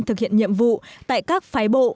thực hiện nhiệm vụ tại các phái bộ